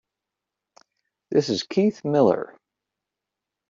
This is Keith Miller.